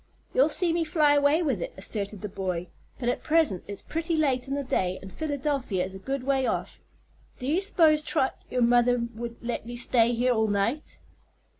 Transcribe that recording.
"You'll see me fly away with it," asserted the boy. "But at present it's pretty late in the day, and Philadelphia is a good way off. Do you s'pose, Trot, your mother would let me stay here all night?"